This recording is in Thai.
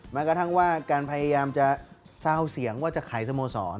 แม้กระทั่งว่าการพยายามจะสร้างเสียงว่าจะขายสโมสร